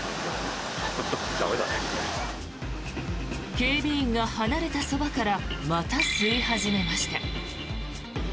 警備員が離れたそばからまた吸い始めました。